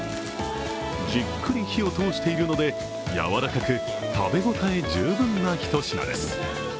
じっくり火を通しているのでやわらかく食べ応え十分なひと品です。